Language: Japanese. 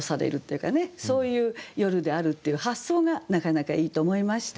そういう夜であるっていう発想がなかなかいいと思いました。